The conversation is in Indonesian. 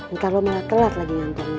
ntar lo malah telat lagi kantornya